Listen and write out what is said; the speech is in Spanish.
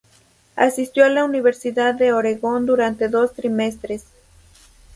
Asistió a la Universidad de Oregón durante dos trimestres.